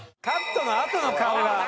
カットのあとの顔が。